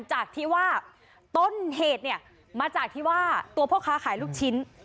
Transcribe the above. จากที่ว่าต้นเหตุเนี่ยมาจากที่ว่าตัวพ่อค้าขายลูกชิ้น